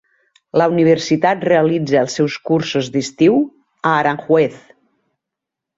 La universitat realitza els seus cursos d'estiu a Aranjuez.